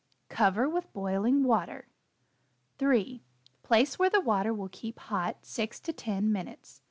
Cover with boiling Water. 3. Place where the water will keep hot 6 to 10 minutes.